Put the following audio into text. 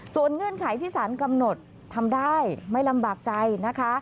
ส่วนเงื่อนไขที่สารกำหนดทำได้ไม่ลำบากใจนะคะ